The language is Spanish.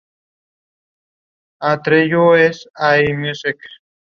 Los gusanos adultos se localizan en el tracto digestivo del hospedador.